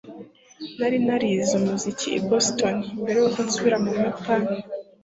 nari narize umuziki i boston mbere yuko nsubira mu buyapani